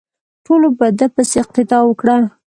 ټولو په ده پسې اقتدا وکړه.